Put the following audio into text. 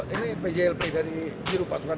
ini pjlp dari pasukan